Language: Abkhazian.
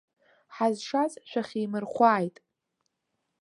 Ҳазшаз шәахьимырхәааит.